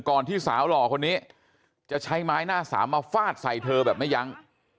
ที่สาวหล่อคนนี้จะใช้ไม้หน้าสามมาฟาดใส่เธอแบบไม่ยั้ง